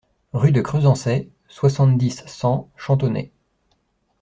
Rue de Cresancey, soixante-dix, cent Champtonnay